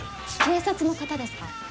警察の方ですか？